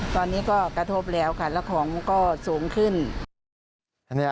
ตอนนี้ก็กระทบแล้วค่ะแล้วของก็สูงขึ้น